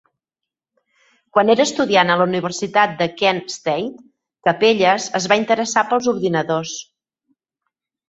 Quan era estudiant a la Universitat de Kent State, Capellas es va interessar pels ordinadors.